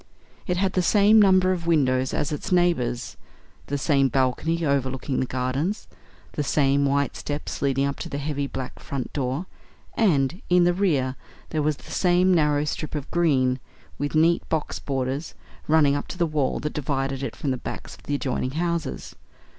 It had the same number of windows as its neighbours; the same balcony overlooking the gardens; the same white steps leading up to the heavy black front door; and, in the rear, there was the same narrow strip of green, with neat box borders, running up to the wall that divided it from the backs of the adjoining houses.